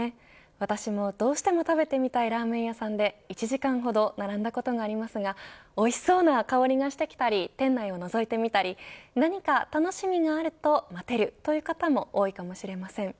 私もどうしても食べてみたいラーメン屋さんで１時間ほど並んだことがありますがおいしそうな香りがしてきたり店内をのぞいてみたり何か楽しみがあると待てるという方も多いかもしれません。